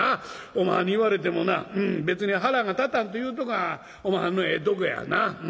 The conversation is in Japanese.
おまはんに言われてもな別に腹が立たんというのがおまはんのええとこやな。